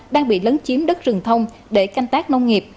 đang bị lấn chiếm đất rừng thông để canh tác nông nghiệp